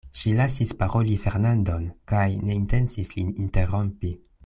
Ŝi lasis paroli Fernandon, kaj ne intencis lin interrompi.